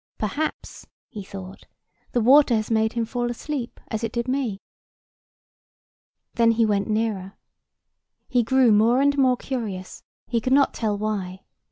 "Perhaps," he thought, "the water has made him fall asleep, as it did me." Then he went nearer. He grew more and more curious, he could not tell why.